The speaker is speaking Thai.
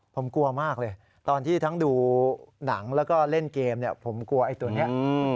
ผมกลัวมากเลยตอนที่ทั้งดูหนังแล้วก็เล่นเกมเนี่ยผมกลัวไอ้ตัวนี้